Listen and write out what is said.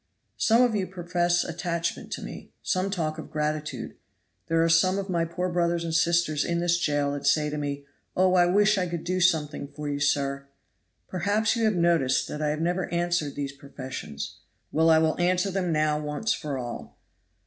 "Some of you profess attachment to me some talk of gratitude. There are some of my poor brothers and sisters in this jail that say to me, 'Oh, I wish I could do something for you, sir!' Perhaps you have noticed that I have never answered these professions. Well, I will answer them now once for all."